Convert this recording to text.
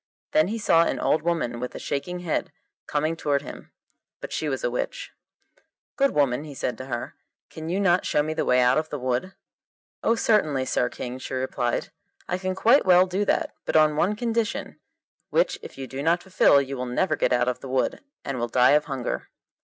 Then he saw an old woman with a shaking head coming towards him; but she was a witch. 'Good woman,' he said to her, 'can you not show me the way out of the wood?' 'Oh, certainly, Sir King,' she replied, 'I can quite well do that, but on one condition, which if you do not fulfil you will never get out of the wood, and will die of hunger.